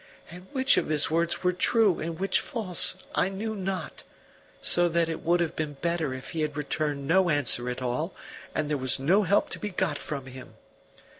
And which of his words were true and which false I knew not; so that it would have been better if he had returned no answer at all; and there was no help to be got from him.